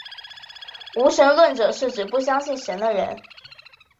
无神论者是指不相信神的人。